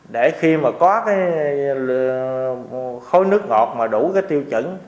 để khi mà có cái khối nước ngọt mà đủ cái tiêu chuẩn